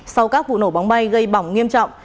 sau các vụ nổ bóng bay gây bỏng nghiêm trọng